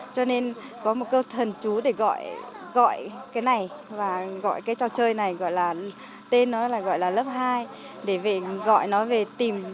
cho nên có một cơ thần chú để gọi cái này và gọi cái trò chơi này tên nó là gọi là lớp hai để gọi nó về tìm cái đồ mà mất